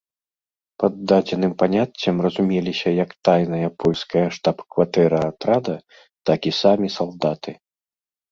Пад дадзеных паняццем разумеліся як тайная польская штаб-кватэра атрада, так і самі салдаты.